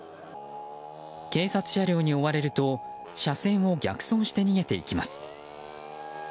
警察車両に追われると車線を逆走して逃げていきます。